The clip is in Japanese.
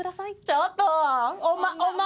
ちょっと。